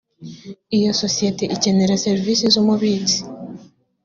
iyo sosiyete ikenera serivisi z umubitsi